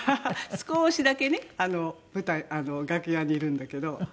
少しだけね舞台楽屋にいるんだけど。